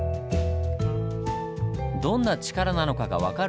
どんな力なのかが分かるヒント。